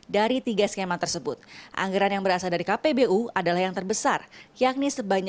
dari tiga skema tersebut anggaran yang dikelas sama saja di kualitas pembahasan pembahasan anggaran pembangunan ikn di dalam keahliannya